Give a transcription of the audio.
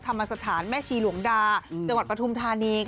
ธรรมสถานแม่ชีหลวงดาจังหวัดปฐุมธานี